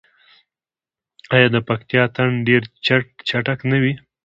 آیا د پکتیا اتن ډیر چټک نه وي؟